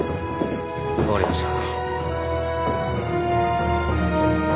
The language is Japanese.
分かりました。